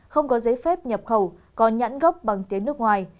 không có giấy phép nhập khẩu có nhãn gốc bằng tiếng nước ngoài